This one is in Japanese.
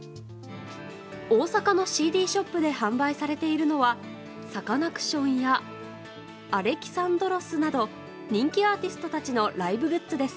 大阪のＣＤショップで販売されているのはサカナクションや［Ａｌｅｘａｎｄｒｏｓ］など人気アーティストたちのライブグッズです。